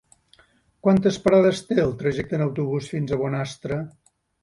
Quantes parades té el trajecte en autobús fins a Bonastre?